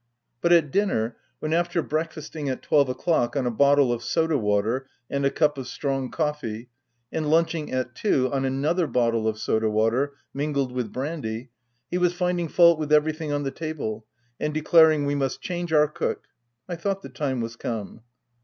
But at dinner, when, after breakfasting at twelve o'clock on a bottle of soda water and a cup of strong coffee, and lunching at two on another bottle of soda water mingled with brandy, he was finding fault with everything on the table and declaring we must change our cook — I thought the time was come.